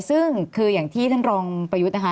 ซึ่งคืออย่างที่ท่านรองประยุทธ์นะคะ